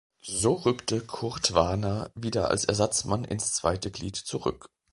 So rückte Kurt Warner wieder als Ersatzmann ins zweite Glied zurück.